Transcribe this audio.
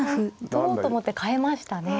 取ろうと思って変えましたね。